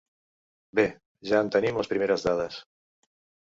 Bé, ja en tenim les primeres dades.